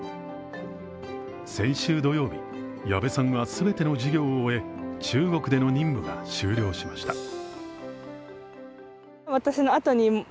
先週土曜日、矢部さんは全ての授業を終え中国での任務は終了しました。